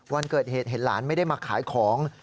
วันเกิดเหตุเห็นหลานไม่ได้มาขายของ